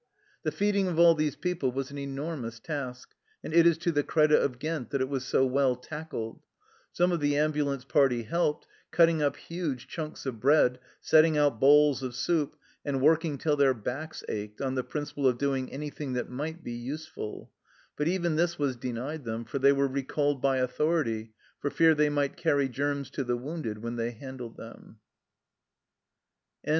The feeding of all these people was an enormous task, and it is to the credit of Ghent that it was so well tackled. Some of the ambulance party helped, cutting up huge chunks of bread, setting out bowls of soup, and working till their backs ached, on the principle of doing anything that might be useful; but even this was denied them, for they were recalled by authority, for fear they might carry germs to the wounded when they handled them.